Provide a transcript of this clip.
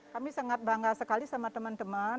kami sangat bangga sekali sama teman teman